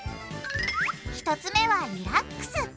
１つ目はリラックス。